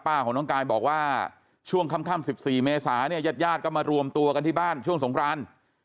ป้าของน้องกายบอกว่าช่วงค่ำ๑๔เมษายาดก็มารวมตัวกันที่บ้านช่วงสงคราน